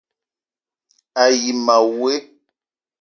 A yi ma woe :